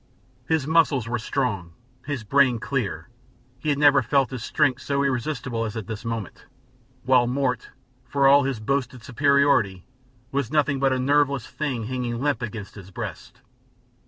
His muscles were strong, his brain clear, he had never felt his strength so irresistible as at this moment, while Mort, for all his boasted superiority, was nothing but a nerveless thing hanging limp against his breast.